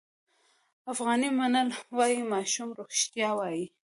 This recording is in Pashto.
افغاني متل وایي ماشوم رښتیا وایي.